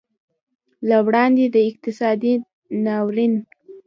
له وړاندې د اقتصادي ناورین